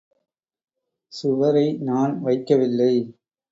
சுவரை நான் வைக்கவில்லை.